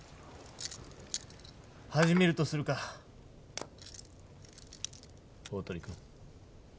始めるとするか大鳥君。